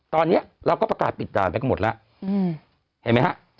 ตอนนี้เราก็ประกาศปิดด่านไปกันหมดแล้วเห็นไหมฮะ